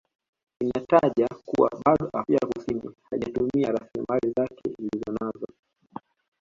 Unataja kuwa bado Afrika Kusini haijatumia rasilimali zake Ilizonanazo